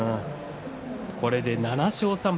これで７勝３敗